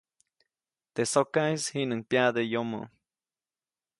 Teʼ sokaʼis jiʼnuŋ pyaʼde yomoʼ.